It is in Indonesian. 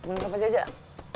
pemulihan pak jajak